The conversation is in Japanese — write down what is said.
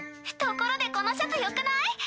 ところでこのシャツよくない？